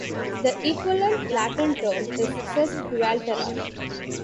The equivalent Latin term is sesquialtera.